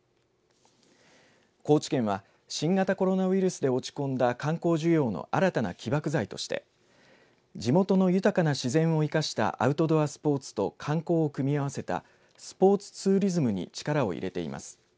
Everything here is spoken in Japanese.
高知県は新型コロナウイルスで落ち込んだ観光需要の新たな起爆剤として地元の豊かな自然を生かしたアウトドアスポーツと観光を組み合わせたスポーツツーリズムに力を入れています。